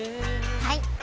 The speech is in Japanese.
はい！